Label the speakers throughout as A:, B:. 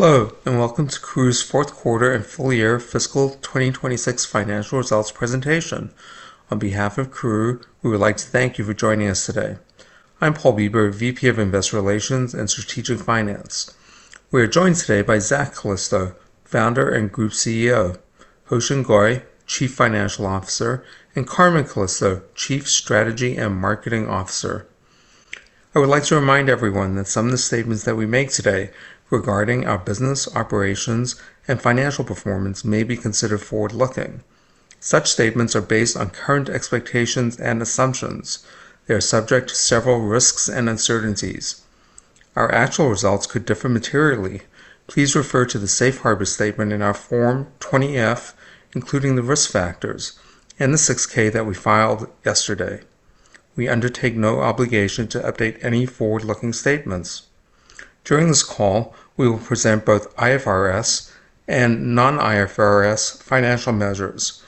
A: Hello and welcome to Karooooo's fourth quarter and full year fiscal 2026 financial results presentation. On behalf of Karooooo, we would like to thank you for joining us today. I'm Paul Bieber, VP of Investor Relations and Strategic Finance. We are joined today by Zak Calisto, Founder and Group CEO, Hoe Shin Goy, Chief Financial Officer, and Carmen Calisto, Chief Strategy and Marketing Officer. I would like to remind everyone that some of the statements that we make today regarding our business operations and financial performance may be considered forward-looking. Such statements are based on current expectations and assumptions. They are subject to several risks and uncertainties. Our actual results could differ materially. Please refer to the safe harbor statement in our Form 20-F, including the risk factors and the Form 6-K that we filed yesterday. We undertake no obligation to update any forward-looking statements. During this call, we will present both IFRS and non-IFRS financial measures.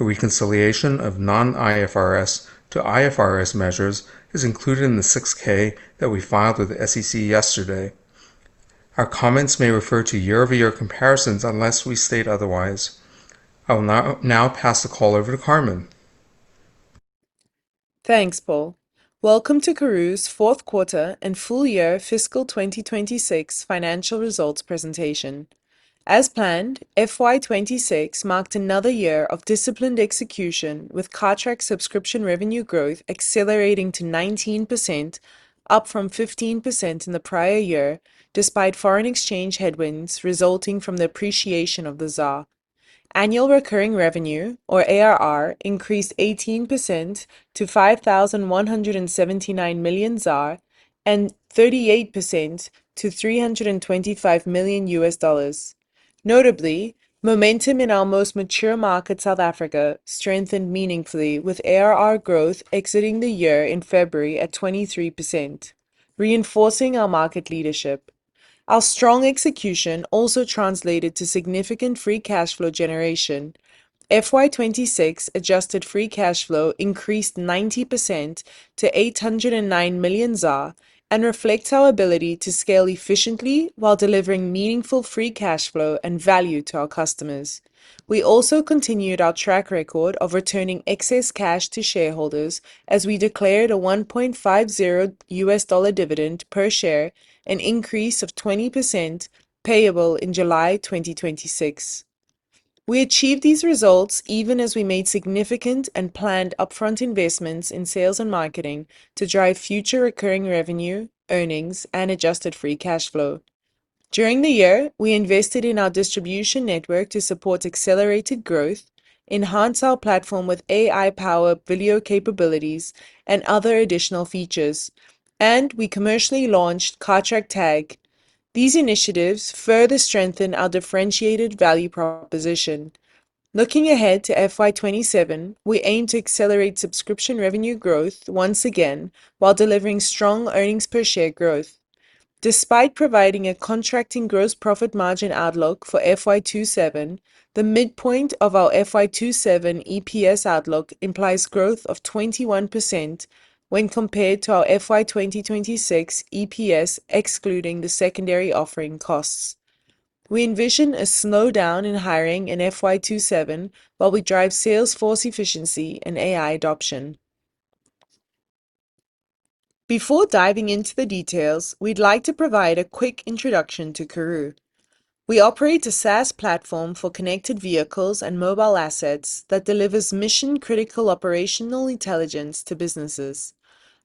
A: A reconciliation of non-IFRS to IFRS measures is included in the 6-K that we filed with the SEC yesterday. Our comments may refer to year-over-year comparisons unless we state otherwise. I will now pass the call over to Carmen.
B: Thanks, Paul. Welcome to Karooooo's fourth quarter and full year fiscal 2026 financial results presentation. As planned, FY 2026 marked another year of disciplined execution, with Cartrack subscription revenue growth accelerating to 19%, up from 15% in the prior year, despite foreign exchange headwinds resulting from the appreciation of the ZAR. Annual recurring revenue, or ARR, increased 18% to 5,179 million ZAR, and 38% to $325 million. Notably, momentum in our most mature market, South Africa, strengthened meaningfully with ARR growth exiting the year in February at 23%, reinforcing our market leadership. Our strong execution also translated to significant free cash flow generation. FY 2026 adjusted free cash flow increased 90% to 809 million ZAR and reflects our ability to scale efficiently while delivering meaningful free cash flow and value to our customers. We also continued our track record of returning excess cash to shareholders as we declared a $1.50 dividend per share, an increase of 20% payable in July 2026. We achieved these results even as we made significant and planned upfront investments in sales and marketing to drive future recurring revenue, earnings, and adjusted free cash flow. During the year, we invested in our distribution network to support accelerated growth, enhance our platform with AI-powered video capabilities, and other additional features, and we commercially launched Cartrack-Tag. These initiatives further strengthen our differentiated value proposition. Looking ahead to FY 2027, we aim to accelerate subscription revenue growth once again while delivering strong earnings per share growth. Despite providing a contracting gross profit margin outlook for FY 2027, the midpoint of our FY 2027 EPS outlook implies growth of 21% when compared to our FY 2026 EPS, excluding the secondary offering costs. We envision a slowdown in hiring in FY 2027 while we drive sales force efficiency and AI adoption. Before diving into the details, we'd like to provide a quick introduction to Karooooo. We operate a SaaS platform for connected vehicles and mobile assets that delivers mission-critical operational intelligence to businesses.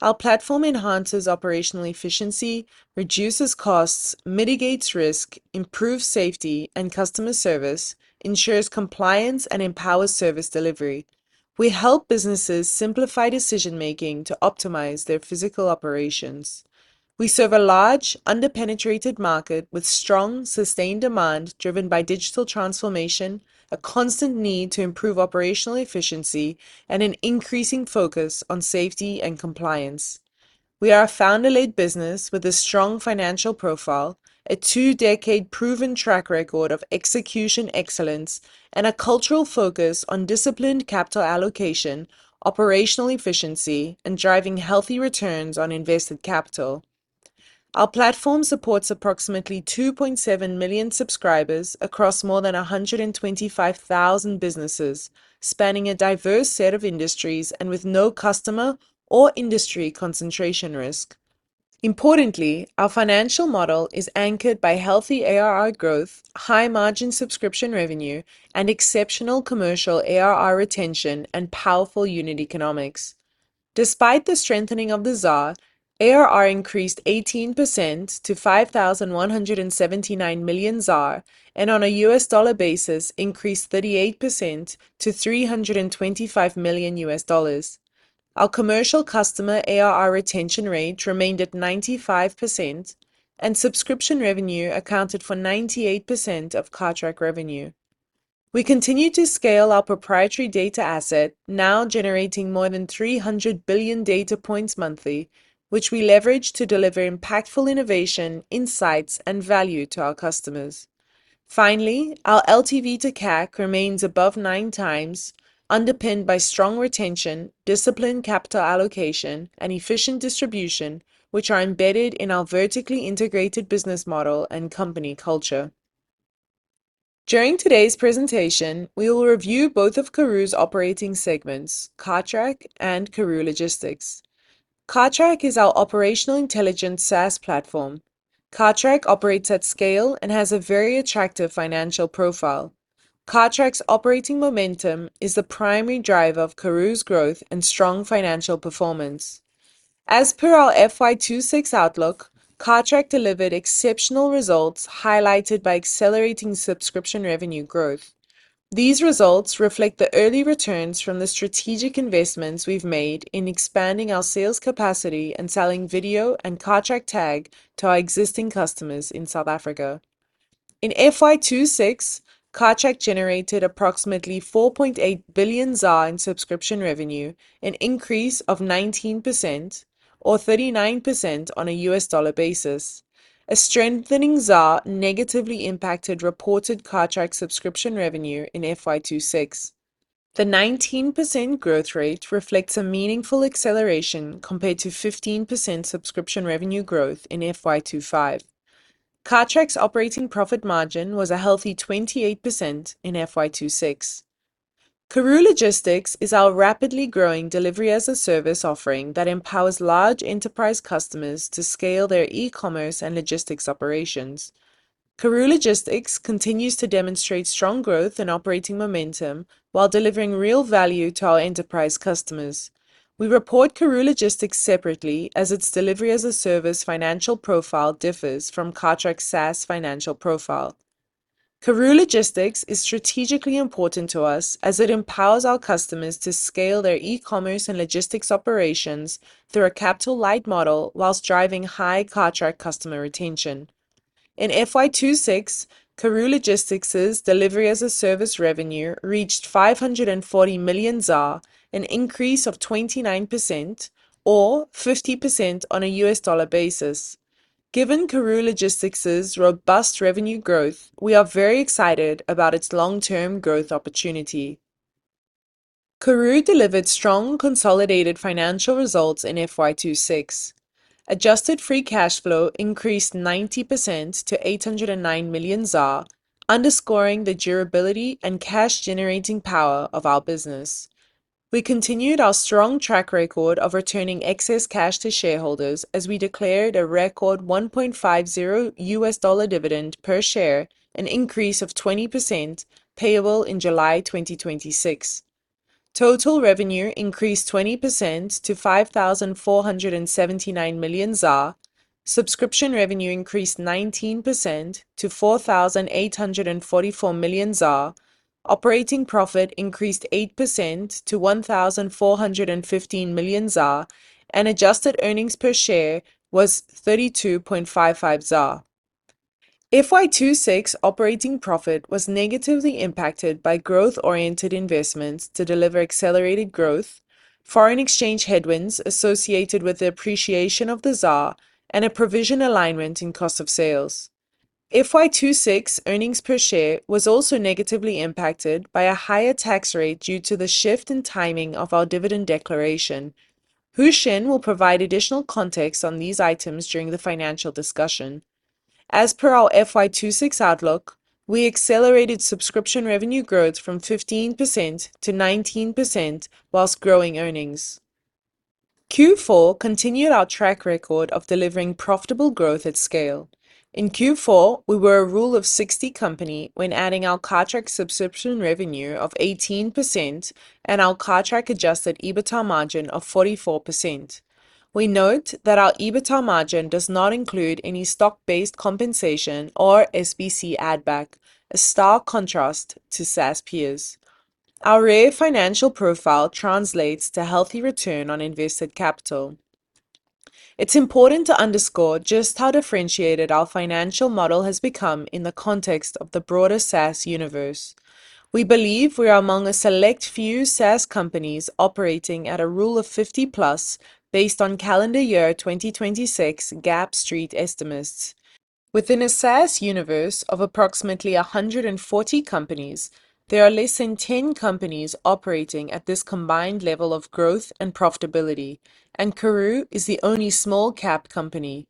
B: Our platform enhances operational efficiency, reduces costs, mitigates risk, improves safety and customer service, ensures compliance, and empowers service delivery. We help businesses simplify decision-making to optimize their physical operations. We serve a large under-penetrated market with strong, sustained demand driven by digital transformation, a constant need to improve operational efficiency, and an increasing focus on safety and compliance. We are a founder-led business with a strong financial profile, a 2-decade proven track record of execution excellence, and a cultural focus on disciplined capital allocation, operational efficiency, and driving healthy returns on invested capital. Our platform supports approximately 2.7 million subscribers across more than 125,000 businesses, spanning a diverse set of industries and with no customer or industry concentration risk. Importantly, our financial model is anchored by healthy ARR growth, high margin subscription revenue, and exceptional commercial ARR retention, and powerful unit economics. Despite the strengthening of the ZAR, ARR increased 18% to 5,179 million, and on a U.S. Dollar basis increased 38% to $325 million. Our commercial customer ARR retention rate remained at 95%, and subscription revenue accounted for 98% of Cartrack revenue. We continue to scale our proprietary data asset, now generating more than 300 billion data points monthly, which we leverage to deliver impactful innovation, insights, and value to our customers. Our LTV to CAC remains above 9 times underpinned by strong retention, disciplined capital allocation, and efficient distribution, which are embedded in our vertically integrated business model and company culture. During today's presentation, we will review both of Karooooo's operating segments, Cartrack and Karooooo Logistics. Cartrack is our operational intelligence SaaS platform. Cartrack operates at scale and has a very attractive financial profile. Cartrack's operating momentum is the primary driver of Karooooo's growth and strong financial performance. As per our FY 2026 outlook, Cartrack delivered exceptional results highlighted by accelerating subscription revenue growth. These results reflect the early returns from the strategic investments we've made in expanding our sales capacity and selling video and Cartrack-Tag to our existing customers in South Africa. In FY 2026, Cartrack generated approximately 4.8 billion ZAR in subscription revenue, an increase of 19% or 39% on a USD basis. A strengthening ZAR negatively impacted reported Cartrack subscription revenue in FY 2026. The 19% growth rate reflects a meaningful acceleration compared to 15% subscription revenue growth in FY 2025. Cartrack's operating profit margin was a healthy 28% in FY 2026. Karooooo Logistics is our rapidly growing delivery-as-a-service offering that empowers large enterprise customers to scale their e-commerce and logistics operations. Karooooo Logistics continues to demonstrate strong growth and operating momentum while delivering real value to our enterprise customers. We report Karooooo Logistics separately as its delivery-as-a-service financial profile differs from Cartrack's SaaS financial profile. Karooooo Logistics is strategically important to us as it empowers our customers to scale their e-commerce and logistics operations through a capital light model whilst driving high Cartrack customer retention. In FY 2026, Karooooo Logistics' delivery-as-a-service revenue reached 540 million ZAR, an increase of 29% or 50% on a U.S. dollar basis. Given Karooooo Logistics' robust revenue growth, we are very excited about its long-term growth opportunity. Karooooo delivered strong consolidated financial results in FY 2026. Adjusted free cash flow increased 90% to 809 million ZAR underscoring the durability and cash generating power of our business. We continued our strong track record of returning excess cash to shareholders as we declared a record $1.50 U.S. Dollar dividend per share, an increase of 20% payable in July 2026. Total revenue increased 20% to 5,479 million ZAR. Subscription revenue increased 19% to 4,844 million ZAR. Operating profit increased 8% to 1,415 million ZAR, and adjusted earnings per share was 32.55 ZAR. FY 2026 operating profit was negatively impacted by growth-oriented investments to deliver accelerated growth, foreign exchange headwinds associated with the appreciation of the ZAR, and a provision alignment in cost of sales. FY 2026 earnings per share was also negatively impacted by a higher tax rate due to the shift in timing of our dividend declaration. Hoe Shin will provide additional context on these items during the financial discussion. As per our FY 2026 outlook, we accelerated subscription revenue growth from 15% to 19% whilst growing earnings. Q4 continued our track record of delivering profitable growth at scale. In Q4, we were a rule of 60 company when adding our Cartrack subscription revenue of 18% and our Cartrack adjusted EBITDA margin of 44%. We note that our EBITDA margin does not include any stock-based compensation or SBC add back, a stark contrast to SaaS peers. Our rare financial profile translates to healthy return on invested capital. It's important to underscore just how differentiated our financial model has become in the context of the broader SaaS universe. We believe we are among a select few SaaS companies operating at a rule of 50 plus based on calendar year 2026 GAAP street estimates. Within a SaaS universe of approximately 140 companies, there are less than 10 companies operating at this combined level of growth and profitability, and Karooooo is the only small cap company.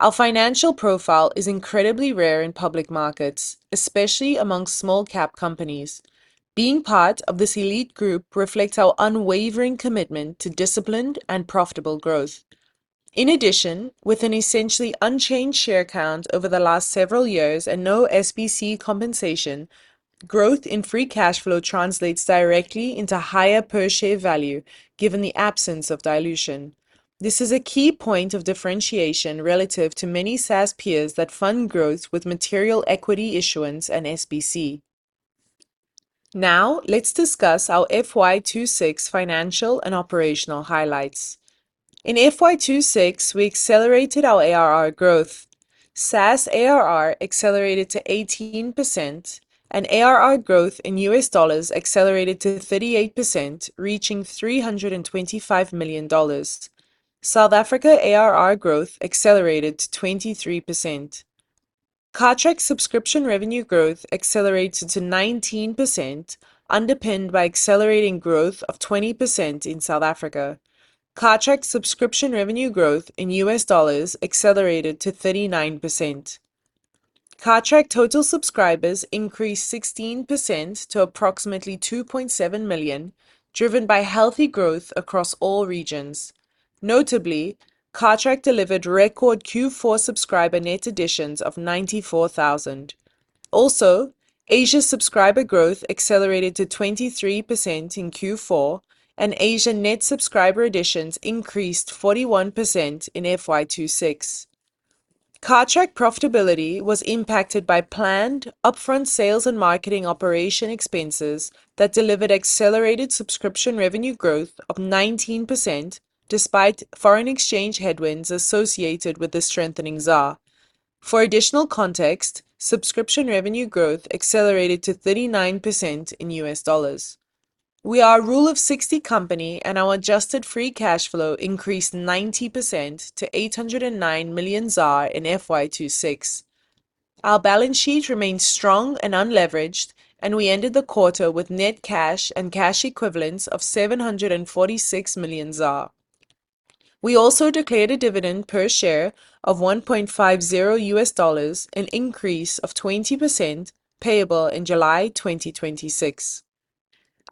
B: Our financial profile is incredibly rare in public markets, especially among small cap companies. Being part of this elite group reflects our unwavering commitment to disciplined and profitable growth. In addition, with an essentially unchanged share count over the last several years and no SBC compensation, growth in free cash flow translates directly into higher per share value given the absence of dilution. This is a key point of differentiation relative to many SaaS peers that fund growth with material equity issuance and SBC. Let's discuss our FY 2026 financial and operational highlights. In FY 2026, we accelerated our ARR growth. SaaS ARR accelerated to 18% and ARR growth in U.S. dollars accelerated to 38% reaching $325 million. South Africa ARR growth accelerated to 23%. Cartrack subscription revenue growth accelerated to 19%, underpinned by accelerating growth of 20% in South Africa. Cartrack subscription revenue growth in U.S. dollars accelerated to 39%. Cartrack total subscribers increased 16% to approximately 2.7 million, driven by healthy growth across all regions. Notably, Cartrack delivered record Q4 subscriber net additions of 94,000. Asia subscriber growth accelerated to 23% in Q4, and Asia net subscriber additions increased 41% in FY 2026. Cartrack profitability was impacted by planned upfront sales and marketing operation expenses that delivered accelerated subscription revenue growth of 19% despite foreign exchange headwinds associated with the strengthening ZAR. For additional context, subscription revenue growth accelerated to 39% in U.S. dollars. We are a rule of 60 company, and our adjusted free cash flow increased 90% to 809 million in FY 2026. Our balance sheet remains strong and unleveraged, and we ended the quarter with net cash and cash equivalents of 746 million ZAR. We also declared a dividend per share of $1.50, an increase of 20% payable in July 2026.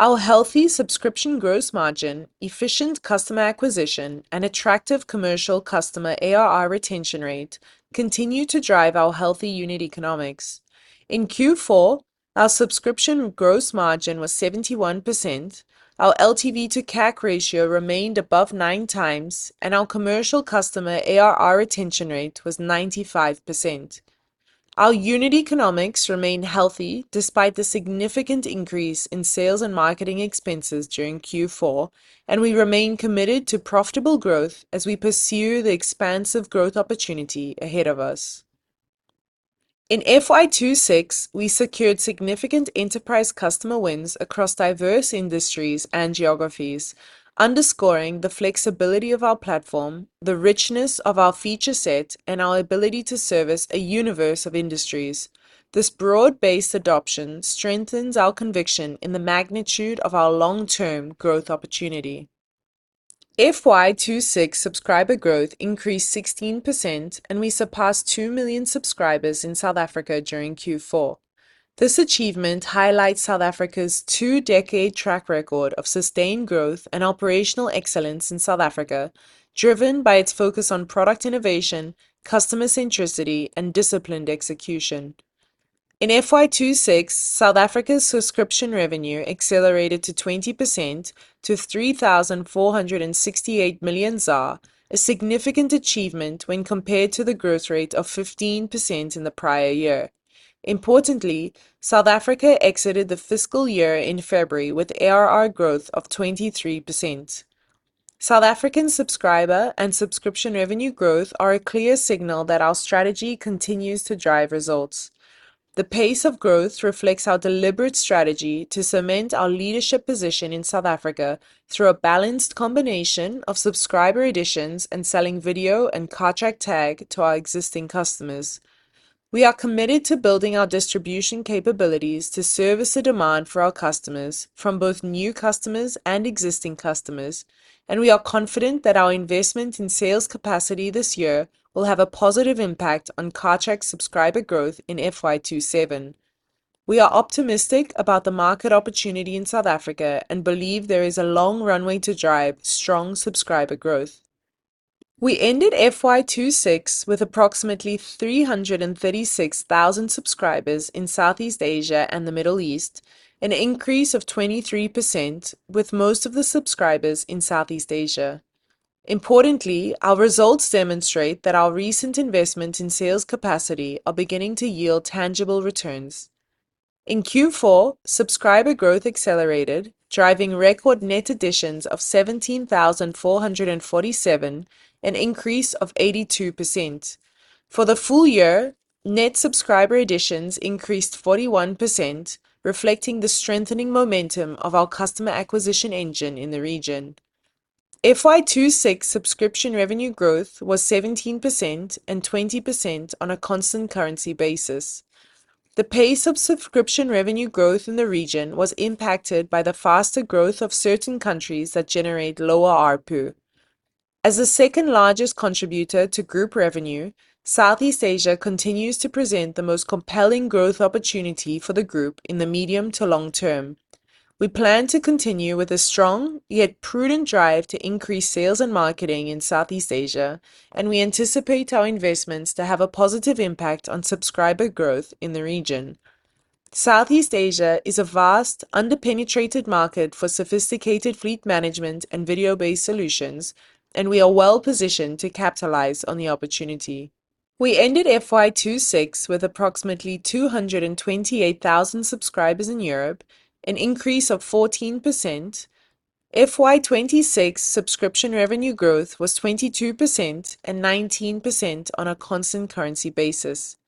B: Our healthy subscription gross margin, efficient customer acquisition, and attractive commercial customer ARR retention rate continue to drive our healthy unit economics. In Q4, our subscription gross margin was 71%, our LTV to CAC ratio remained above 9 times, and our commercial customer ARR retention rate was 95%. Our unit economics remain healthy despite the significant increase in sales and marketing expenses during Q4, and we remain committed to profitable growth as we pursue the expansive growth opportunity ahead of us. In FY 2026, we secured significant enterprise customer wins across diverse industries and geographies, underscoring the flexibility of our platform, the richness of our feature set, and our ability to service a universe of industries. This broad-based adoption strengthens our conviction in the magnitude of our long-term growth opportunity. FY 2026 subscriber growth increased 16%, and we surpassed 2 million subscribers in South Africa during Q4. This achievement highlights South Africa's 2-decade track record of sustained growth and operational excellence in South Africa, driven by its focus on product innovation, customer centricity, and disciplined execution. In FY 2026, South Africa's subscription revenue accelerated to 20% to 3,468 million, a significant achievement when compared to the growth rate of 15% in the prior year. Importantly, South Africa exited the fiscal year in February with ARR growth of 23%. South African subscriber and subscription revenue growth are a clear signal that our strategy continues to drive results. The pace of growth reflects our deliberate strategy to cement our leadership position in South Africa through a balanced combination of subscriber additions and selling video and Cartrack-Tag to our existing customers. We are committed to building our distribution capabilities to service the demand for our customers from both new customers and existing customers, and we are confident that our investment in sales capacity this year will have a positive impact on Cartrack subscriber growth in FY 2027. We are optimistic about the market opportunity in South Africa and believe there is a long runway to drive strong subscriber growth. We ended FY 2026 with approximately 336,000 subscribers in Southeast Asia and the Middle East, an increase of 23% with most of the subscribers in Southeast Asia. Importantly, our results demonstrate that our recent investment in sales capacity are beginning to yield tangible returns. In Q4, subscriber growth accelerated, driving record net additions of 17,447, an increase of 82%. For the full year, net subscriber additions increased 41%, reflecting the strengthening momentum of our customer acquisition engine in the region. FY 2026 subscription revenue growth was 17% and 20% on a constant currency basis. The pace of subscription revenue growth in the region was impacted by the faster growth of certain countries that generate lower ARPU. As the second largest contributor to group revenue, Southeast Asia continues to present the most compelling growth opportunity for the group in the medium to long term. We plan to continue with a strong yet prudent drive to increase sales and marketing in Southeast Asia. We anticipate our investments to have a positive impact on subscriber growth in the region. Southeast Asia is a vast, under-penetrated market for sophisticated fleet management and video-based solutions. We are well-positioned to capitalize on the opportunity. We ended FY 2026 with approximately 228,000 subscribers in Europe, an increase of 14%. FY 2026 subscription revenue growth was 22% and 19% on a constant currency basis.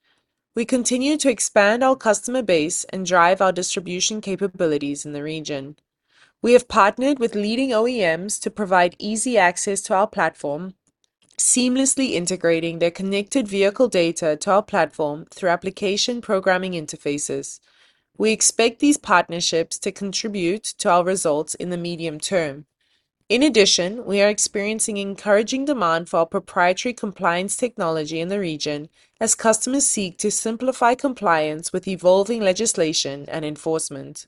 B: We continue to expand our customer base and drive our distribution capabilities in the region. We have partnered with leading OEMs to provide easy access to our platform, seamlessly integrating their connected vehicle data to our platform through application programming interfaces. We expect these partnerships to contribute to our results in the medium term. In addition, we are experiencing encouraging demand for our proprietary compliance technology in the region as customers seek to simplify compliance with evolving legislation and enforcement.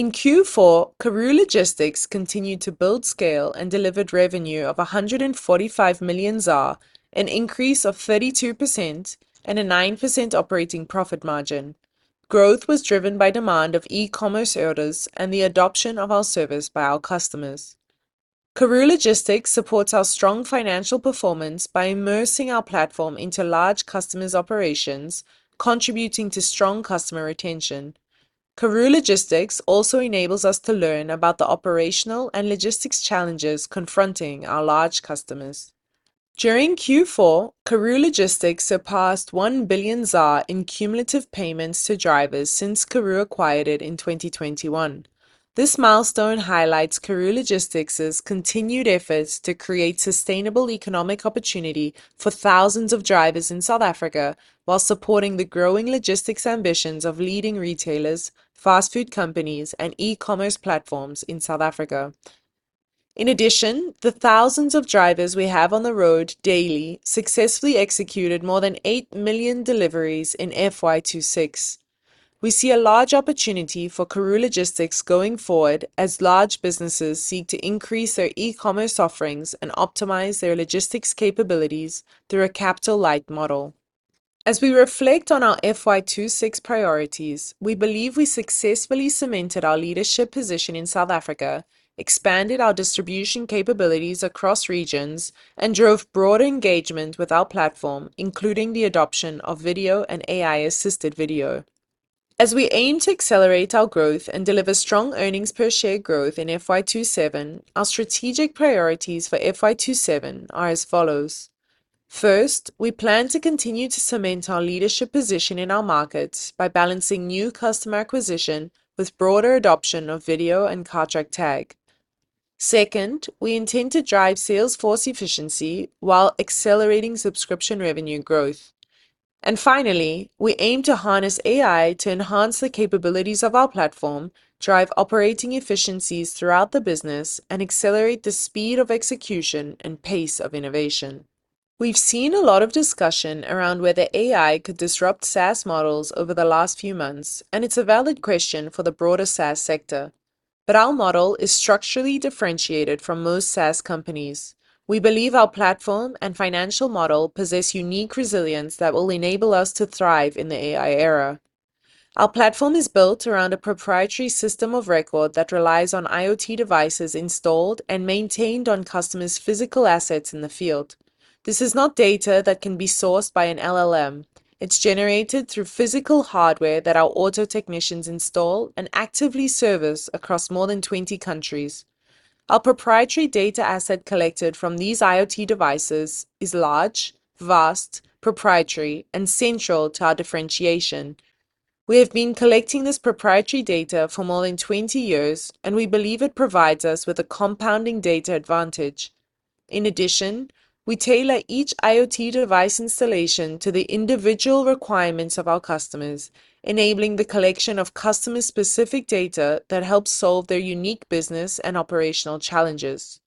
B: In Q4, Karooooo Logistics continued to build scale and delivered revenue of 145 million ZAR, an increase of 32% and a 9% operating profit margin. Growth was driven by demand of e-commerce orders and the adoption of our service by our customers. Karooooo Logistics supports our strong financial performance by immersing our platform into large customers' operations, contributing to strong customer retention. Karooooo Logistics also enables us to learn about the operational and logistics challenges confronting our large customers. During Q4, Karooooo Logistics surpassed 1 billion ZAR in cumulative payments to drivers since Karooooo acquired it in 2021. This milestone highlights Karooooo Logistics' continued efforts to create sustainable economic opportunity for thousands of drivers in South Africa while supporting the growing logistics ambitions of leading retailers, fast food companies, and e-commerce platforms in South Africa. In addition, the thousands of drivers we have on the road daily successfully executed more than 8 million deliveries in FY 2026. We see a large opportunity for Karooooo Logistics going forward as large businesses seek to increase their e-commerce offerings and optimize their logistics capabilities through a capital-light model. As we reflect on our FY 2026 priorities, we believe we successfully cemented our leadership position in South Africa, expanded our distribution capabilities across regions, and drove broader engagement with our platform, including the adoption of video and AI-assisted video. As we aim to accelerate our growth and deliver strong EPS growth in FY 2027, our strategic priorities for FY 2027 are as follows. First, we plan to continue to cement our leadership position in our markets by balancing new customer acquisition with broader adoption of video and Cartrack-Tag. Second, we intend to drive sales force efficiency while accelerating subscription revenue growth. Finally, we aim to harness AI to enhance the capabilities of our platform, drive operating efficiencies throughout the business, and accelerate the speed of execution and pace of innovation. We've seen a lot of discussion around whether AI could disrupt SaaS models over the last few months. It's a valid question for the broader SaaS sector. Our model is structurally differentiated from most SaaS companies. We believe our platform and financial model possess unique resilience that will enable us to thrive in the AI era. Our platform is built around a proprietary system of record that relies on IoT devices installed and maintained on customers' physical assets in the field. This is not data that can be sourced by an LLM. It's generated through physical hardware that our auto technicians install and actively service across more than 20 countries. Our proprietary data asset collected from these IoT devices is large, vast, proprietary, and central to our differentiation. We have been collecting this proprietary data for more than 20 years, and we believe it provides us with a compounding data advantage. In addition, we tailor each IoT device installation to the individual requirements of our customers, enabling the collection of customer-specific data that helps solve their unique business and operational challenges.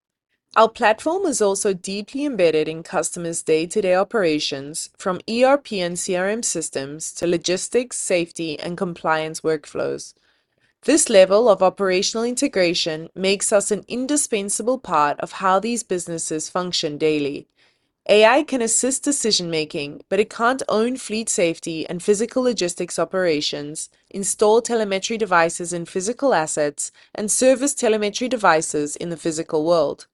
B: Our platform is also deeply embedded in customers' day-to-day operations, from ERP and CRM systems to logistics, safety, and compliance workflows. This level of operational integration makes us an indispensable part of how these businesses function daily. AI can assist decision-making, but it can't own fleet safety and physical logistics operations, install telemetry devices in physical assets, and service telemetry devices in the physical world.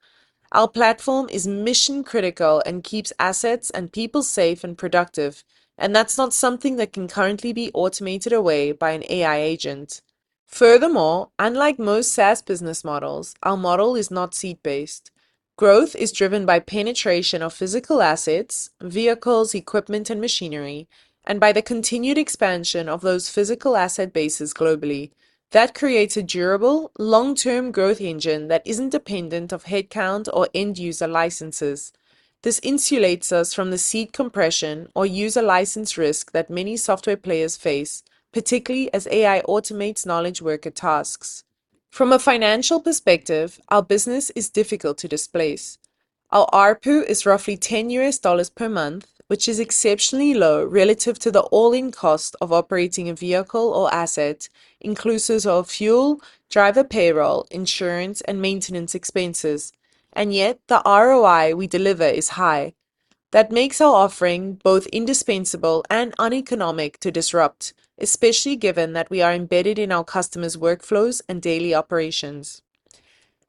B: Our platform is mission critical and keeps assets and people safe and productive, and that's not something that can currently be automated away by an AI agent. Furthermore, unlike most SaaS business models, our model is not seat-based. Growth is driven by penetration of physical assets, vehicles, equipment, and machinery, and by the continued expansion of those physical asset bases globally. That creates a durable, long-term growth engine that isn't dependent of headcount or end user licenses. This insulates us from the seat compression or user license risk that many software players face, particularly as AI automates knowledge worker tasks. From a financial perspective, our business is difficult to displace. Our ARPU is roughly $10 per month, which is exceptionally low relative to the all-in cost of operating a vehicle or asset, inclusive of fuel, driver payroll, insurance, and maintenance expenses. Yet the ROI we deliver is high. That makes our offering both indispensable and uneconomic to disrupt, especially given that we are embedded in our customers' workflows and daily operations.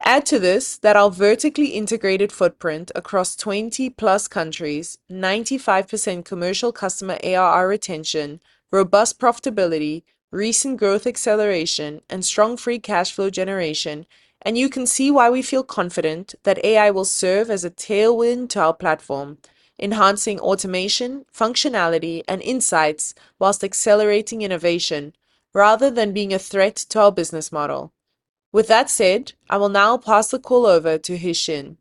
B: Add to this that our vertically integrated footprint across 20-plus countries, 95% commercial customer ARR retention, robust profitability, recent growth acceleration, and strong free cash flow generation, and you can see why we feel confident that AI will serve as a tailwind to our platform, enhancing automation, functionality, and insights while accelerating innovation rather than being a threat to our business model. With that said, I will now pass the call over to Hoe Shin.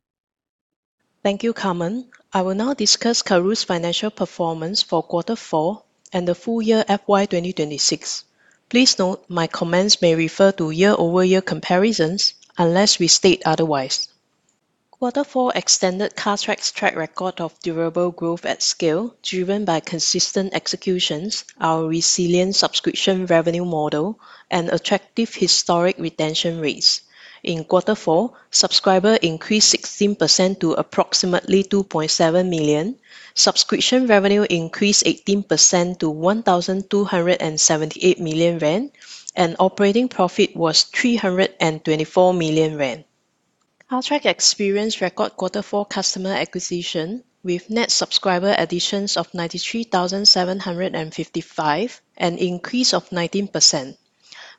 C: Thank you, Carmen. I will now discuss Karooooo's financial performance for quarter four and the full year FY 2026. Please note my comments may refer to year-over-year comparisons unless we state otherwise. Quarter four extended Cartrack's track record of durable growth at scale driven by consistent executions, our resilient subscription revenue model, and attractive historic retention rates. In quarter four, subscriber increased 16% to approximately 2.7 million. Subscription revenue increased 18% to 1,278 million rand, and operating profit was 324 million rand. Cartrack experienced record quarter four customer acquisition with net subscriber additions of 93,755, an increase of 19%.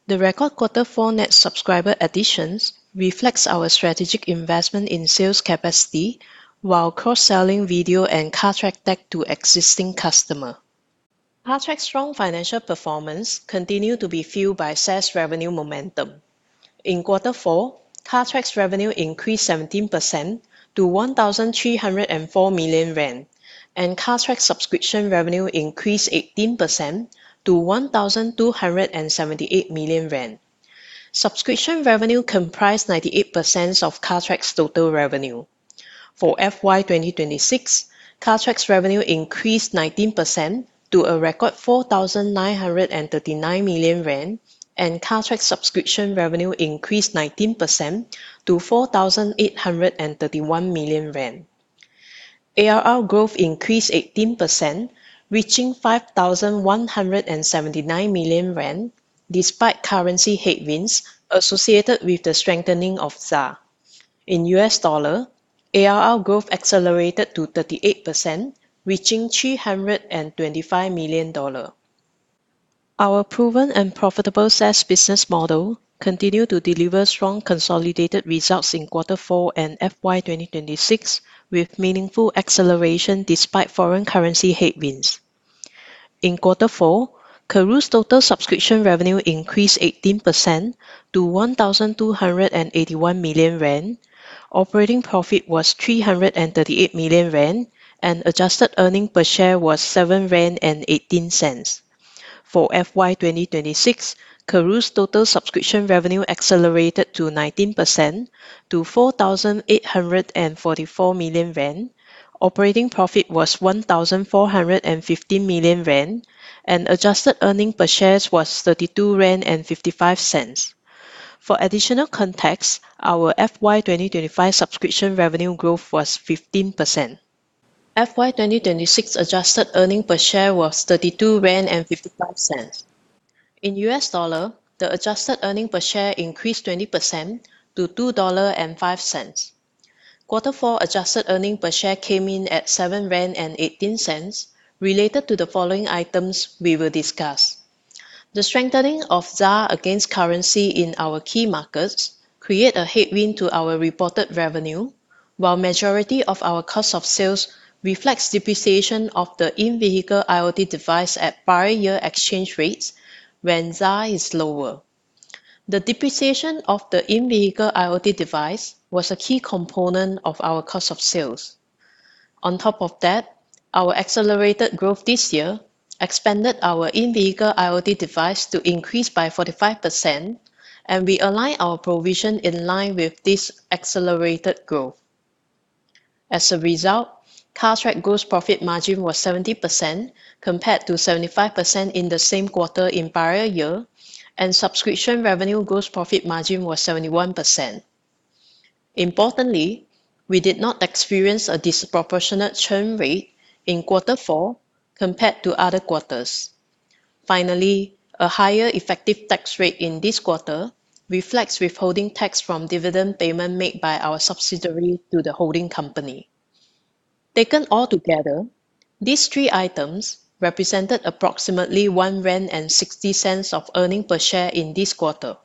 C: The record quarter four net subscriber additions reflects our strategic investment in sales capacity while cross-selling video and Cartrack-Tag to existing customer. Cartrack's strong financial performance continued to be fueled by SaaS revenue momentum. In quarter four, Cartrack's revenue increased 17% to 1,304 million rand, and Cartrack subscription revenue increased 18% to 1,278 million rand. Subscription revenue comprised 98% of Cartrack's total revenue. For FY 2026, Cartrack's revenue increased 19% to a record 4,939 million rand, and Cartrack subscription revenue increased 19% to 4,831 million rand. ARR growth increased 18%, reaching 5,179 million rand despite currency headwinds associated with the strengthening of ZAR. In U.S. dollar, ARR growth accelerated to 38%, reaching $325 million. Our proven and profitable SaaS business model continued to deliver strong consolidated results in quarter four and FY 2026 with meaningful acceleration despite foreign currency headwinds. In quarter four, Karooooo's total subscription revenue increased 18% to 1,281 million rand. Operating profit was 338 million rand, and adjusted earnings per share was 7.18 rand. For FY 2026, Karooooo's total subscription revenue accelerated to 19% to 4,844 million rand. Operating profit was 1,450 million rand, and adjusted earnings per share was ZAR 32.55. For additional context, our FY 2025 subscription revenue growth was 15%. FY 2026 adjusted earnings per share was 32.55 rand. In U.S. dollar, the adjusted earnings per share increased 20% to $2.05. Quarter four adjusted earnings per share came in at 7.18 rand related to the following items we will discuss. The strengthening of ZAR against currency in our key markets create a headwind to our reported revenue, while majority of our cost of sales reflects depreciation of the in-vehicle IoT device at prior year exchange rates when ZAR is lower. The depreciation of the in-vehicle IoT device was a key component of our cost of sales. On top of that, our accelerated growth this year expanded our in-vehicle IoT device to increase by 45%, and we align our provision in line with this accelerated growth. As a result, Cartrack gross profit margin was 70% compared to 75% in the same quarter in prior year, and subscription revenue gross profit margin was 71%. Importantly, we did not experience a disproportionate churn rate in quarter four compared to other quarters. A higher effective tax rate in this quarter reflects withholding tax from dividend payment made by our subsidiary to the holding company. Taken all together, these three items represented approximately 1.60 rand of earnings per share in this quarter.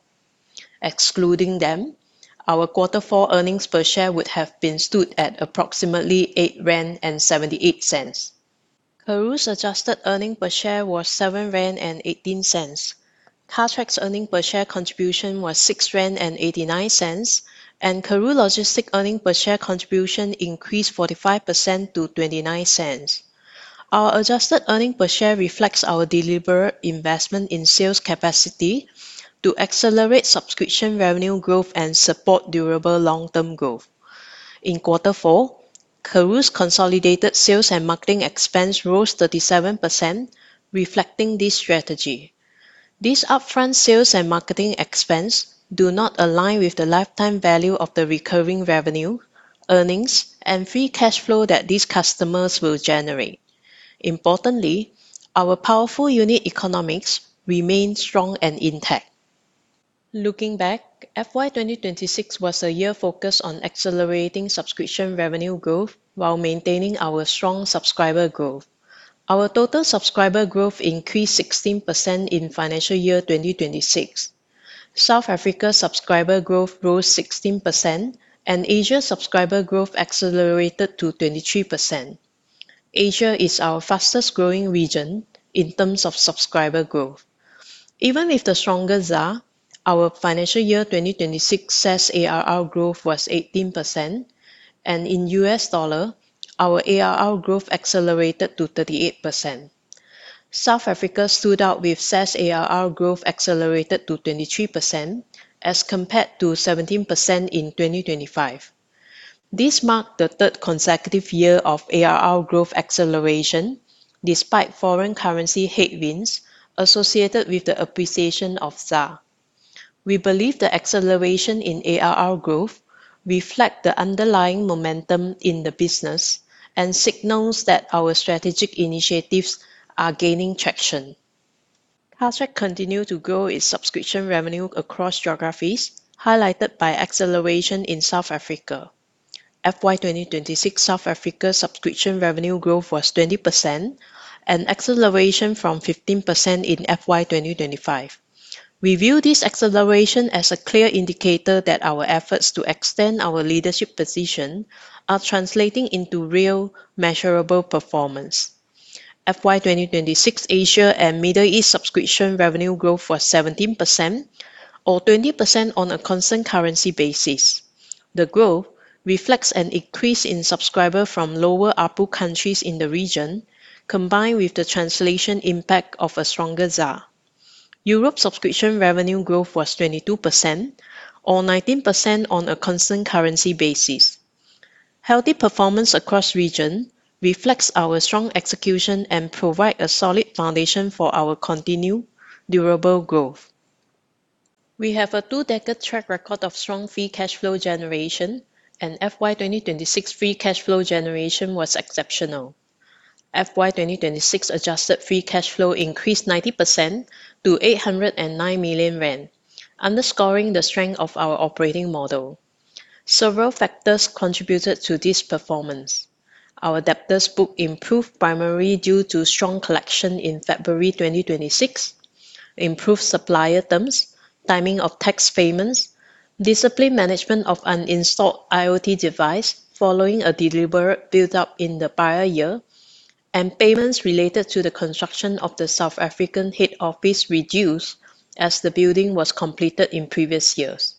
C: Excluding them, our quarter four earnings per share would have been stood at approximately 8.78 rand. Karooooo's adjusted earnings per share was 7.18 rand. Cartrack's earnings per share contribution was 6.89 rand, and Karooooo Logistics earnings per share contribution increased 45% to 0.29. Our adjusted earnings per share reflects our deliberate investment in sales capacity to accelerate subscription revenue growth and support durable long-term growth. In quarter four, Karooooo's consolidated sales and marketing expense rose 37% reflecting this strategy. These upfront sales and marketing expense do not align with the lifetime value of the recurring revenue, earnings, and free cash flow that these customers will generate. Importantly, our powerful unit economics remain strong and intact. Looking back, FY 2026 was a year focused on accelerating subscription revenue growth while maintaining our strong subscriber growth. Our total subscriber growth increased 16% in financial year 2026. South Africa subscriber growth rose 16%, and Asia subscriber growth accelerated to 23%. Asia is our fastest-growing region in terms of subscriber growth. Even with the stronger ZAR, our financial year 2026 SaaS ARR growth was 18%, and in U.S. dollar, our ARR growth accelerated to 38%. South Africa stood out with SaaS ARR growth accelerated to 23% as compared to 17% in 2025. This marked the 3rd consecutive year of ARR growth acceleration despite foreign currency headwinds associated with the appreciation of ZAR. We believe the acceleration in ARR growth reflect the underlying momentum in the business and signals that our strategic initiatives are gaining traction. Cartrack continue to grow its subscription revenue across geographies, highlighted by acceleration in South Africa. FY 2026 South Africa subscription revenue growth was 20%, an acceleration from 15% in FY 2025. We view this acceleration as a clear indicator that our efforts to extend our leadership position are translating into real measurable performance. FY 2026 Asia and Middle East subscription revenue growth was 17%, or 20% on a constant currency basis. The growth reflects an increase in subscriber from lower ARPU countries in the region, combined with the translation impact of a stronger ZAR. Europe subscription revenue growth was 22%, or 19% on a constant currency basis. Healthy performance across region reflects our strong execution and provide a solid foundation for our continued durable growth. We have a 2-decade track record of strong free cash flow generation, and FY 2026 free cash flow generation was exceptional. FY 2026 adjusted free cash flow increased 90% to 809 million rand, underscoring the strength of our operating model. Several factors contributed to this performance. Our debtors book improved primarily due to strong collection in February 2026, improved supplier terms, timing of tax payments, disciplined management of uninstalled IoT device following a deliberate build-up in the prior year, and payments related to the construction of the South African head office reduced as the building was completed in previous years.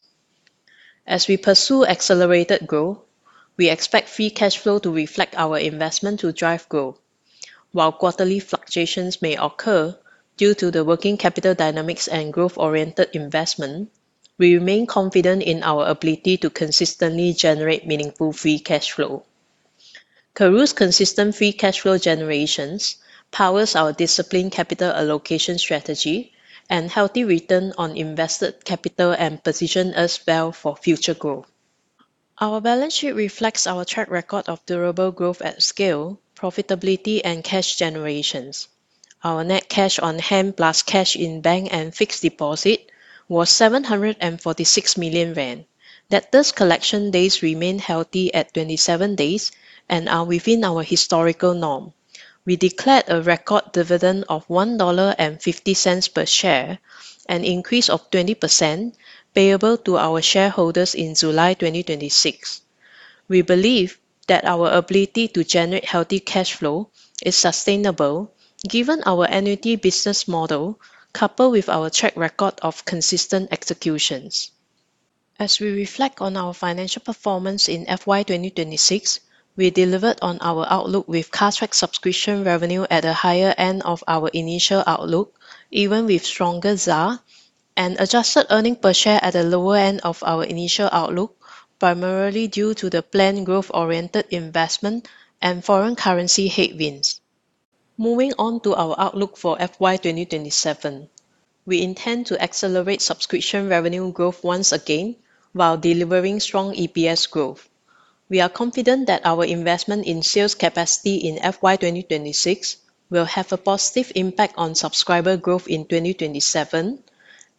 C: As we pursue accelerated growth, we expect free cash flow to reflect our investment to drive growth. While quarterly fluctuations may occur due to the working capital dynamics and growth-oriented investment, we remain confident in our ability to consistently generate meaningful free cash flow. Karooooo's consistent free cash flow generations powers our disciplined capital allocation strategy and healthy return on invested capital and position us well for future growth. Our balance sheet reflects our track record of durable growth at scale, profitability, and cash generations. Our net cash on hand plus cash in bank and fixed deposit was 746 million rand. Debtors collection days remain healthy at 27 days and are within our historical norm. We declared a record dividend of $1.50 per share, an increase of 20% payable to our shareholders in July 2026. We believe that our ability to generate healthy cash flow is sustainable given our annuity business model, coupled with our track record of consistent executions. As we reflect on our financial performance in FY 2026, we delivered on our outlook with Cartrack subscription revenue at a higher end of our initial outlook, even with stronger ZAR, and adjusted earnings per share at a lower end of our initial outlook, primarily due to the planned growth-oriented investment and foreign currency headwinds. Moving on to our outlook for FY 2027. We intend to accelerate subscription revenue growth once again while delivering strong EPS growth. We are confident that our investment in sales capacity in FY 2026 will have a positive impact on subscriber growth in 2027,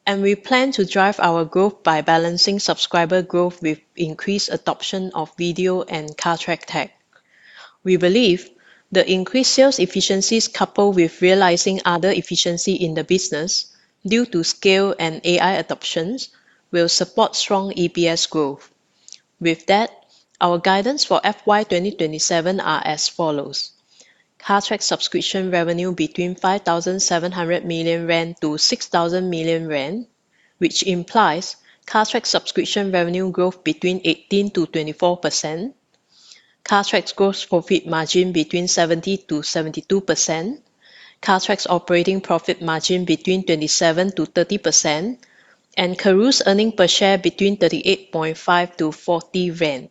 C: and we plan to drive our growth by balancing subscriber growth with increased adoption of video and Cartrack-Tag. We believe the increased sales efficiencies coupled with realizing other efficiency in the business due to scale and AI adoptions will support strong EPS growth. With that, our guidance for FY 2027 are as follows. Cartrack subscription revenue between 5,700 million rand to 6,000 million rand, which implies Cartrack subscription revenue growth between 18%-24%. Cartrack's gross profit margin between 70%-72%. Cartrack's operating profit margin between 27%-30%. Karooooo's earning per share between 38.5-40 rand.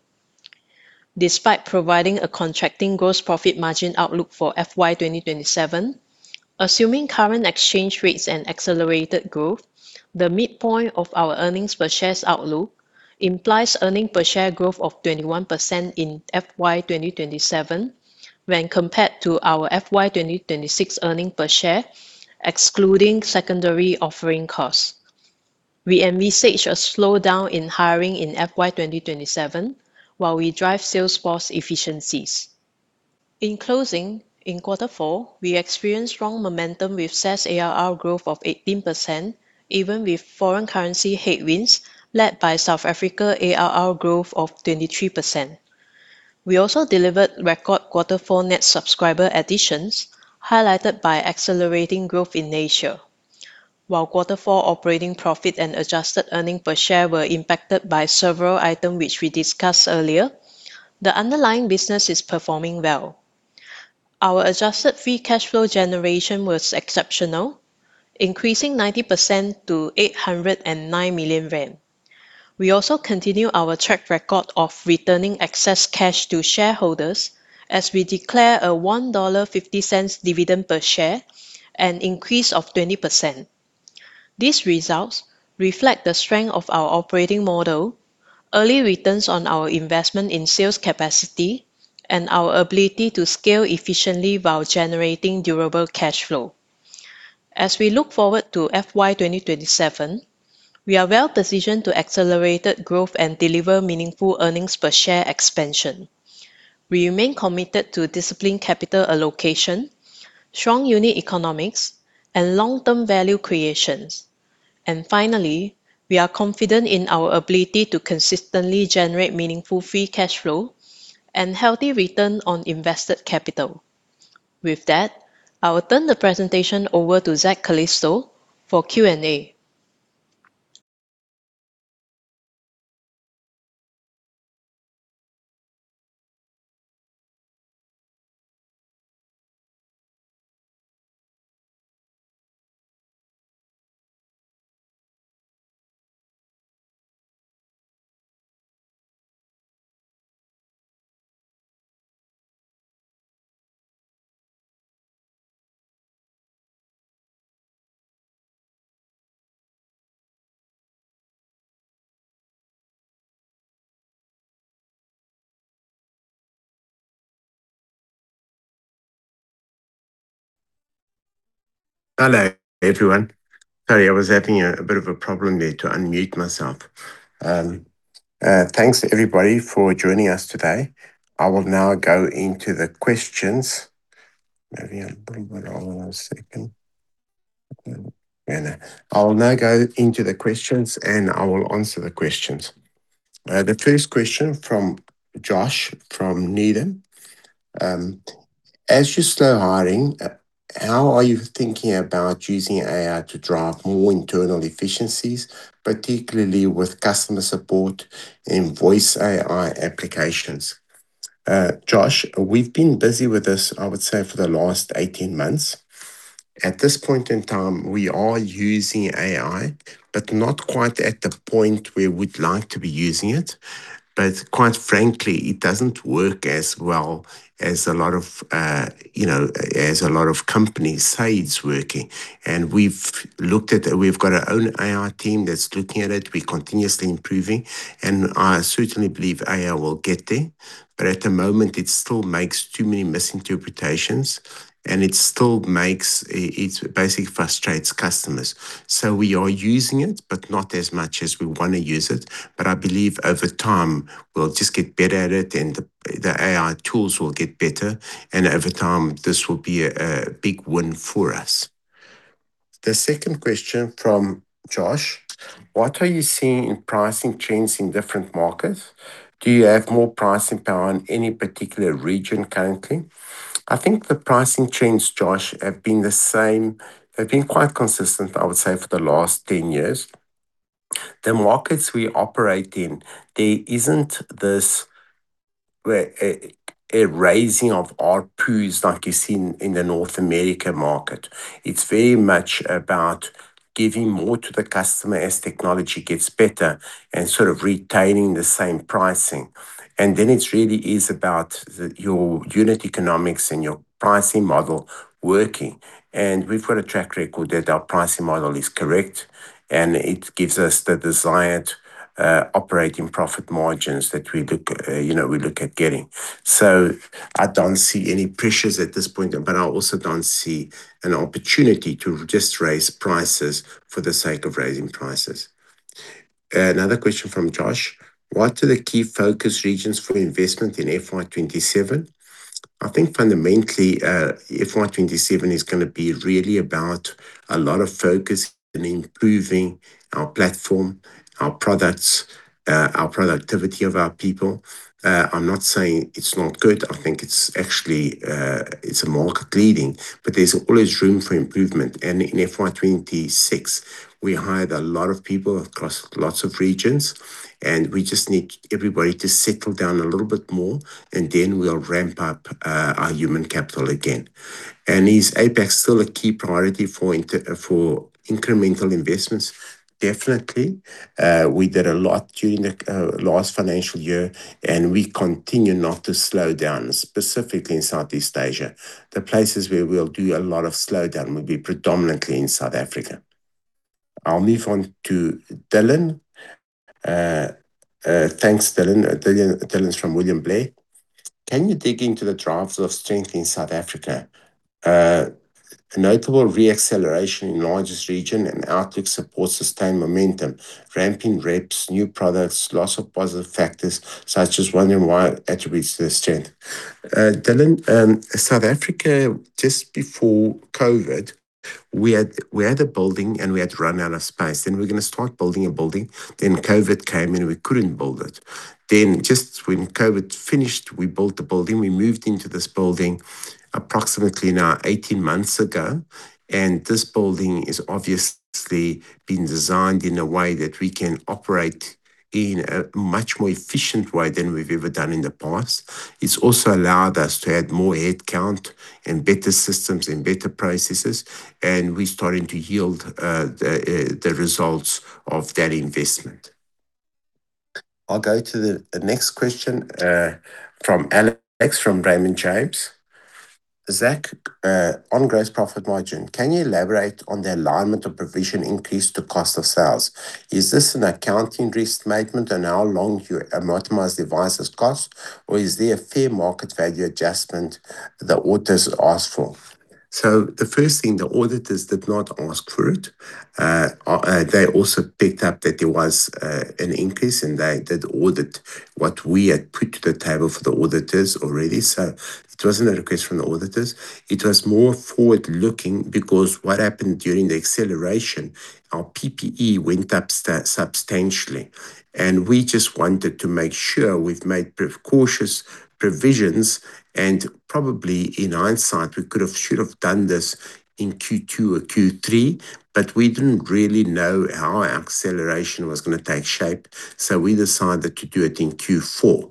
C: Despite providing a Cartrack gross profit margin outlook for FY 2027, assuming current exchange rates and accelerated growth, the midpoint of our earnings per shares outlook implies earning per share growth of 21% in FY 2027 when compared to our FY 2026 earning per share, excluding secondary offering costs. We envisage a slowdown in hiring in FY 2027 while we drive sales force efficiencies. In closing, in quarter four, we experienced strong momentum with SaaS ARR growth of 18%. Even with foreign currency headwinds led by South Africa ARR growth of 23%. We also delivered record quarter four net subscriber additions, highlighted by accelerating growth in Asia. While quarter four operating profit and adjusted earnings per share were impacted by several items which we discussed earlier, the underlying business is performing well. Our adjusted free cash flow generation was exceptional, increasing 90% to 809 million rand. We also continue our track record of returning excess cash to shareholders as we declare a $1.50 dividend per share, an increase of 20%. These results reflect the strength of our operating model, early returns on our investment in sales capacity and our ability to scale efficiently while generating durable cash flow. As we look forward to FY 2027, we are well-positioned to accelerated growth and deliver meaningful earnings per share expansion. We remain committed to disciplined capital allocation, strong unit economics and long-term value creations. Finally, we are confident in our ability to consistently generate meaningful free cash flow and healthy return on invested capital. With that, I will turn the presentation over to Zak Calisto for Q&A.
D: Hello, everyone. Sorry, I was having a bit of a problem there to unmute myself. Thanks everybody for joining us today. I will now go into the questions. Maybe I'll bring that all in a second. Yeah, no. I will now go into the questions, and I will answer the questions. The first question from Josh from Needham. As you slow hiring, how are you thinking about using AI to drive more internal efficiencies, particularly with customer support and voice AI applications? Josh, we've been busy with this, I would say, for the last 18 months. At this point in time, we are using AI, but not quite at the point we would like to be using it. Quite frankly, it doesn't work as well as a lot of, you know, as a lot of companies say it's working. We've got our own AI team that's looking at it. We're continuously improving, and I certainly believe AI will get there. At the moment, it still makes too many misinterpretations, and it basically frustrates customers. We are using it, but not as much as we wanna use it. I believe over time, we'll just get better at it, and the AI tools will get better. Over time, this will be a big win for us. The second question from Josh. What are you seeing in pricing trends in different markets? Do you have more pricing power in any particular region currently? I think the pricing trends, Josh, have been the same. They've been quite consistent, I would say, for the last 10 years. The markets we operate in, there isn't this, a raising of ARPUs like you see in the North America market. It's very much about giving more to the customer as technology gets better and sort of retaining the same pricing. It really is about your unit economics and your pricing model working. We've got a track record that our pricing model is correct, and it gives us the desired operating profit margins that we look, you know, we look at getting. I don't see any pressures at this point, but I also don't see an opportunity to just raise prices for the sake of raising prices. Another question from Josh. What are the key focus regions for investment in FY 2027? I think fundamentally, FY 2027 is gonna be really about a lot of focus in improving our platform, our products, our productivity of our people. I'm not saying it's not good. I think it's actually, it's a market-leading, but there's always room for improvement. In FY 2026, we hired a lot of people across lots of regions, and we just need everybody to settle down a little bit more, and then we'll ramp up our human capital again. Is APAC still a key priority for incremental investments? Definitely. We did a lot during the last financial year, and we continue not to slow down, specifically in Southeast Asia. The places where we'll do a lot of slowdown will be predominantly in South Africa. I'll move on to Dylan. Thanks, Dylan. Dylan's from William Blair. Can you dig into the drivers of strength in South Africa? A notable re-acceleration in largest region and outlook support sustained momentum, ramping reps, new products, lots of positive factors. I was just wondering why attributes to the strength. Dylan, South Africa, just before COVID. We had a building, and we had run out of space, and we're going to start building a building. COVID came, and we couldn't build it. Just when COVID finished, we built the building. We moved into this building approximately now 18 months ago, and this building is obviously been designed in a way that we can operate in a much more efficient way than we've ever done in the past. It's also allowed us to add more headcount and better systems and better processes, and we're starting to yield the results of that investment. I'll go to the next question from Alex from Raymond James. Zak, on gross profit margin, can you elaborate on the alignment of provision increase to cost of sales? Is this an accounting restatement on how long you amortize devices cost, or is there a fair market value adjustment the auditors asked for? The first thing, the auditors did not ask for it. They also picked up that there was an increase, and they did audit what we had put to the table for the auditors already. It wasn't a request from the auditors. It was more forward-looking because what happened during the acceleration. Our PPE went up substantially, and we just wanted to make sure we've made pre-cautious provisions. Probably in hindsight, we could have, should have done this in Q2 or Q3, but we didn't really know how our acceleration was going to take shape. We decided to do it in Q4.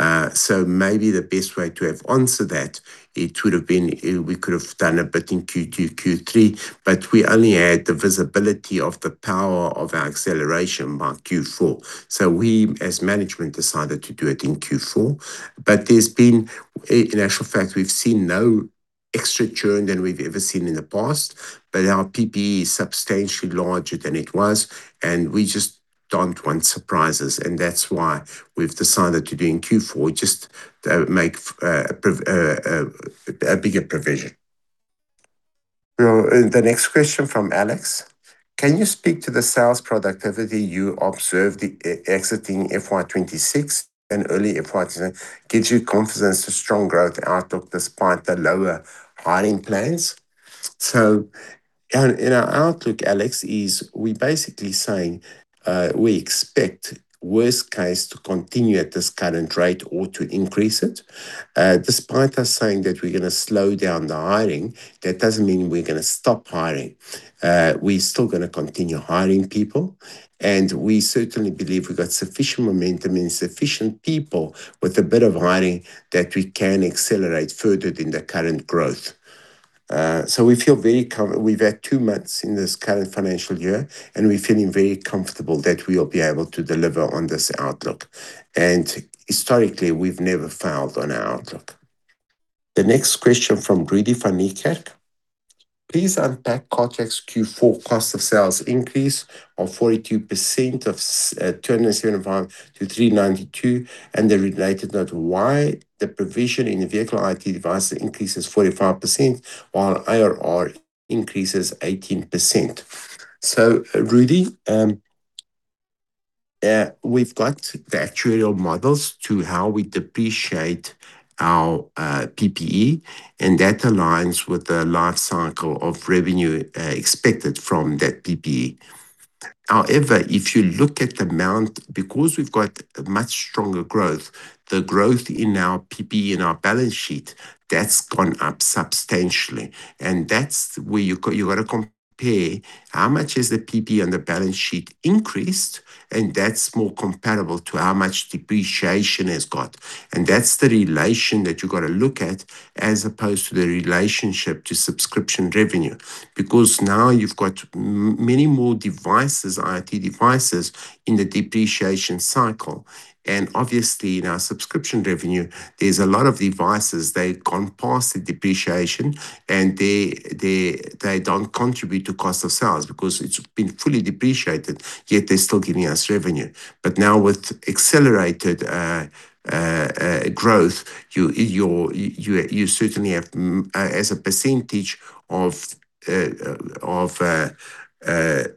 D: Maybe the best way to have answered that, it would have been, we could have done a bit in Q2, Q3, but we only had the visibility of the power of our acceleration by Q4. We as management decided to do it in Q4. In actual fact, we've seen no extra churn than we've ever seen in the past. Our PPE is substantially larger than it was, and we just don't want surprises, and that's why we've decided to do in Q4 just to make a bigger provision. The next question from Alex. Can you speak to the sales productivity you observed exiting FY 2026 and early FY 2026 gives you confidence a strong growth outlook despite the lower hiring plans? In our outlook, Alex, is we basically saying, we expect worst case to continue at this current rate or to increase it. Despite us saying that we're gonna slow down the hiring, that doesn't mean we're gonna stop hiring. We're still gonna continue hiring people, and we certainly believe we've got sufficient momentum and sufficient people with a bit of hiring that we can accelerate further than the current growth. We've had two months in this current financial year, and we're feeling very comfortable that we will be able to deliver on this outlook. Historically, we've never failed on our outlook. The next question from Rudi van Niekerk. Please unpack Cartrack Q4 cost of sales increase of 42% of 275-392, and the related note why the provision in the vehicle IoT device increases 45% while ARR increases 18%. Rudi, we've got the actuarial models to how we depreciate our PPE, and that aligns with the life cycle of revenue expected from that PPE. However, if you look at the amount because we've got a much stronger growth, the growth in our PPE in our balance sheet, that's gone up substantially. That's where you've got to compare how much is the PPE on the balance sheet increased, and that's more comparable to how much depreciation it's got. That's the relation that you've got to look at as opposed to the relationship to subscription revenue. Because now you've got many more devices, IoT devices in the depreciation cycle. Obviously in our subscription revenue, there's a lot of devices, they've gone past the depreciation, and they don't contribute to cost of sales because it's been fully depreciated, yet they're still giving us revenue. Now with accelerated growth, you certainly have as a percentage of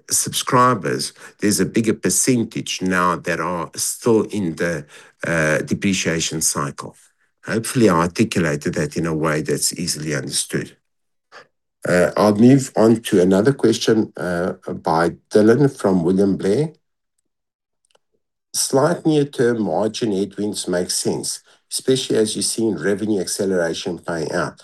D: subscribers, there's a bigger percentage now that are still in the depreciation cycle. Hopefully, I articulated that in a way that's easily understood. I'll move on to another question by Dylan from William Blair. Slight near-term margin headwinds make sense, especially as you're seeing revenue acceleration play out.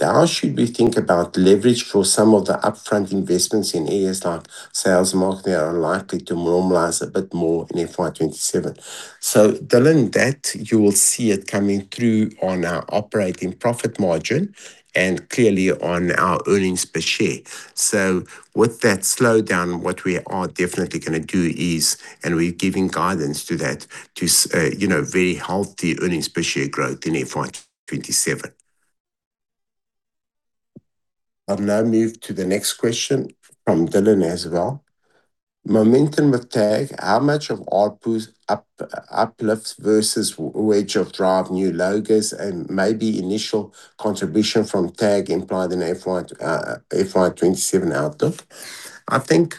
D: How should we think about leverage for some of the upfront investments in areas like sales marketing are unlikely to normalize a bit more in FY 2027. Dylan, that you will see it coming through on our operating profit margin and clearly on our earnings per share. With that slowdown, what we are definitely gonna do is, and we're giving guidance to that to, you know, very healthy earnings per share growth in FY 2027. I'll now move to the next question from Dylan as well. Momentum with Tag, how much of ARPU's uplift versus what will drive new logos and maybe initial contribution from Tag implied in FY 2027 outlook? I think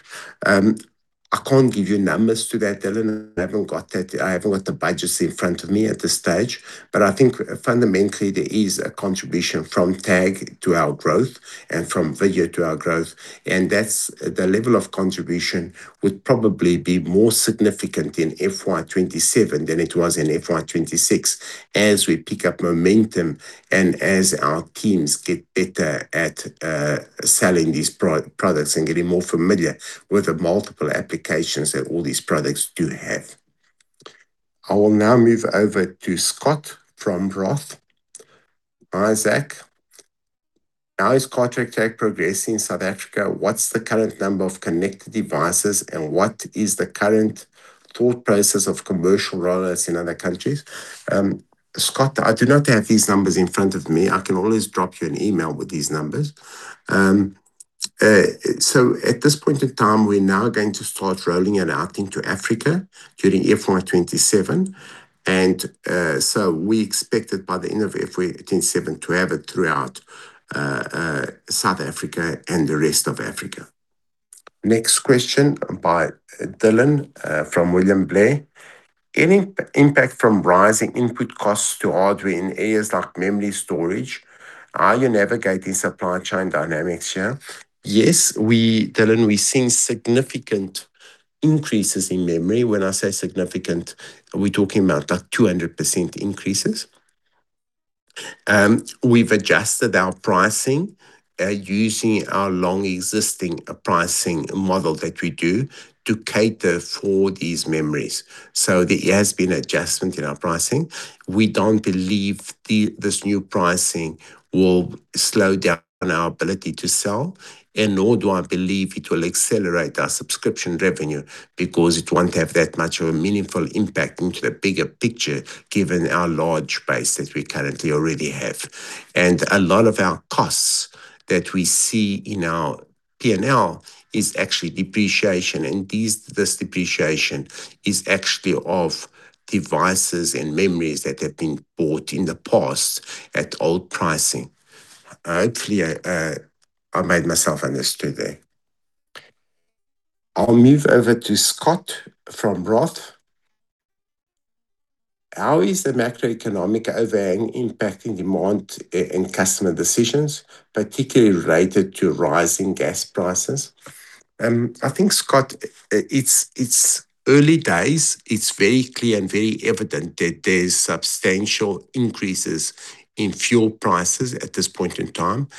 D: I can't give you numbers to that, Dylan. I haven't got that. I haven't got the budgets in front of me at this stage. I think fundamentally, there is a contribution from Tag to our growth and from video to our growth, and that's the level of contribution would probably be more significant in FY 2027 than it was in FY 2026 as we pick up momentum and as our teams get better at selling these products and getting more familiar with the multiple applications that all these products do have. I will now move over to Scott from Roth. Hi, Zak. How is Cartrack-Tag progressing in South Africa? What's the current number of connected devices, and what is the current thought process of commercial rollouts in other countries? Scott, I do not have these numbers in front of me. I can always drop you an email with these numbers. At this point in time, we're now going to start rolling it out into Africa during FY 2027 and we expect it by the end of FY 2027 to have it throughout South Africa and the rest of Africa. Next question by Dylan from William Blair. "Any impact from rising input costs to hardware in areas like memory storage? How are you navigating supply chain dynamics here?" Yes, Dylan, we've seen significant increases in memory. When I say significant, we're talking about like 200% increases. We've adjusted our pricing using our long-existing pricing model that we do to cater for these memories. There has been adjustment in our pricing. We don't believe this new pricing will slow down our ability to sell, and nor do I believe it will accelerate our subscription revenue because it won't have that much of a meaningful impact into the bigger picture given our large base that we currently already have. A lot of our costs that we see in our P&L is actually depreciation, and this depreciation is actually of devices and memories that have been bought in the past at old pricing. Hopefully, I made myself understood there. I'll move over to Scott from Roth. How is the macroeconomic overhang impacting demand and customer decisions, particularly related to rising gas prices? I think, Scott, it's early days. It's very clear and very evident that there's substantial increases in fuel prices at this point in time.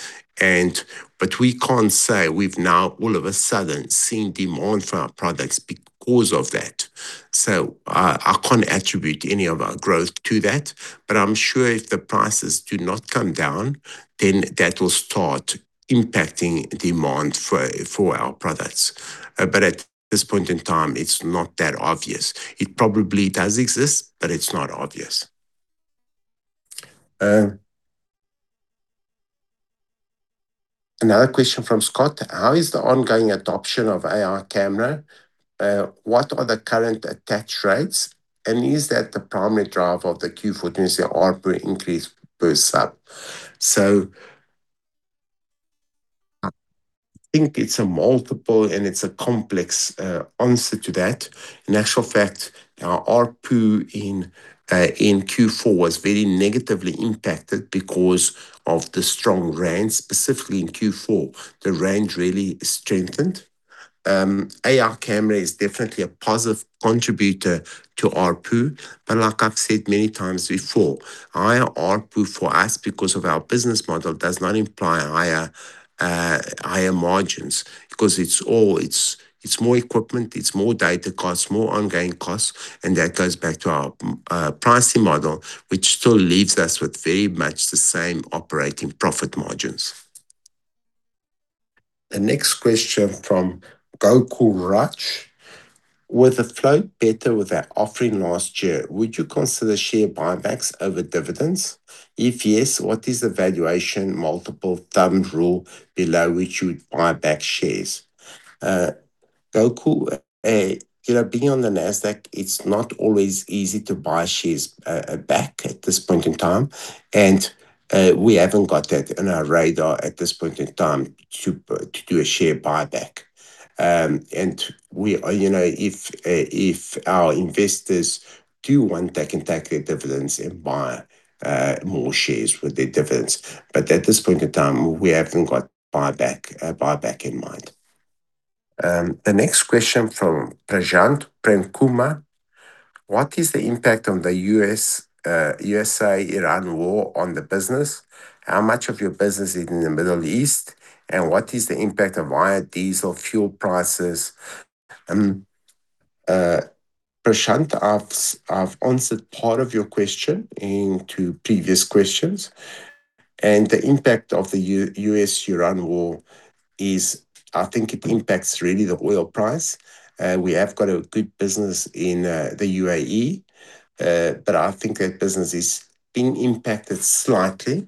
D: We can't say we've now all of a sudden seen demand for our products because of that. I can't attribute any of our growth to that. I'm sure if the prices do not come down, then that will start impacting demand for our products. At this point in time, it's not that obvious. It probably does exist, but it's not obvious. Another question from Scott: "How is the ongoing adoption of AI camera?" What are the current attach rates, and is that the primary driver of the Q4 ARPU increase per sub? I think it's a multiple and it's a complex answer to that. In actual fact, our ARPU in Q4 was very negatively impacted because of the strong rand. Specifically in Q4, the rand really strengthened. AI camera is definitely a positive contributor to ARPU. Like I've said many times before, higher ARPU for us because of our business model does not imply higher margins. It's more equipment, it's more data costs, more ongoing costs. That goes back to our pricing model, which still leaves us with very much the same operating profit margins. The next question from Gokul Raj: "With the float bigger with our offering last year, would you consider share buybacks over dividends? If yes, what is the valuation multiple thumb rule below which you'd buy back shares?" Gokul, you know, being on the Nasdaq, it's not always easy to buy shares back at this point in time. We haven't got that on our radar at this point in time to do a share buyback. We, you know, if our investors do want, they can take their dividends and buy more shares with their dividends. At this point in time, we haven't got buyback in mind. The next question from Prashant Premkumar, what is the impact on the U.S.-Iran war on the business? How much of your business is in the Middle East, and what is the impact of higher diesel fuel prices?" Prashant, I've answered part of your question in two previous questions. The impact of the U.S.-Iran war is I think it impacts really the oil price. We have got a good business in the U.A.E., but I think that business is being impacted slightly.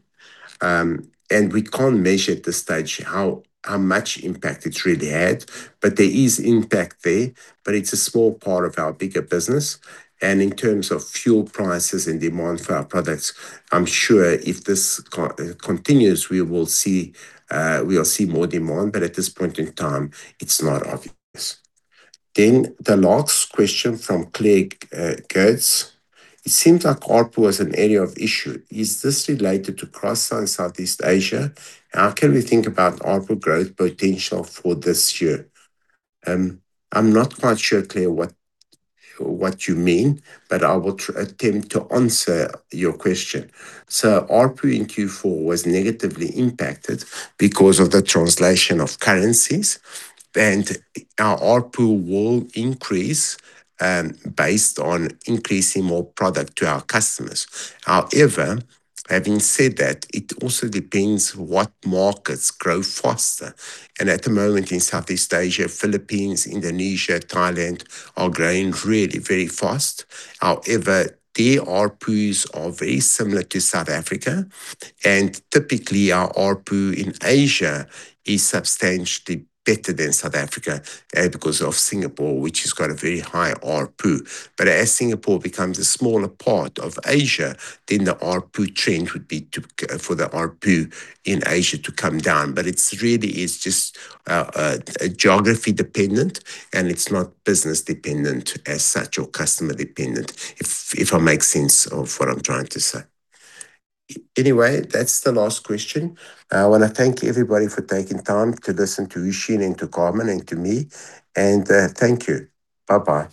D: We can't measure at this stage how much impact it's really had. There is impact there, but it's a small part of our bigger business. In terms of fuel prices and demand for our products, I'm sure if this continues, we will see more demand. At this point in time, it's not obvious. The last question from Claire Goetz: "It seems like ARPU is an area of issue. Is this related to cross sell in Southeast Asia? How can we think about ARPU growth potential for this year?" I'm not quite sure, Claire, what you mean, but I will attempt to answer your question. ARPU in Q4 was negatively impacted because of the translation of currencies. Our ARPU will increase based on increasing more product to our customers. However, having said that, it also depends what markets grow faster. At the moment in Southeast Asia, Philippines, Indonesia, Thailand are growing really very fast. However, their ARPUs are very similar to South Africa. Typically, our ARPU in Asia is substantially better than South Africa because of Singapore, which has got a very high ARPU. As Singapore becomes a smaller part of Asia, then the ARPU trend would be for the ARPU in Asia to come down. It is really, it is just geography dependent, and it is not business dependent as such or customer dependent. If I make sense of what I am trying to say. Anyway, that is the last question. I want to thank everybody for taking time to listen to Hoe Shin Goy and to Carmen Calisto and to me. Thank you. Bye-bye.